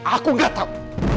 aku gak tau